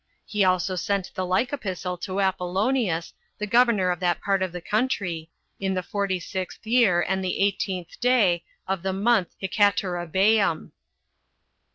He also sent the like epistle to Apollonius, the governor of that part of the country, in the forty sixth year, and the eighteenth day of the month Hecatorabeom.